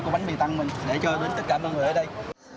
của bánh mì tăng mình để cho đến tất cả mọi người ở đây